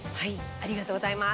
ありがとうございます。